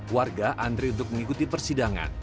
warga antri untuk mengikuti persidangan